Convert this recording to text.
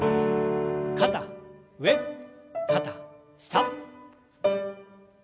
肩上肩下。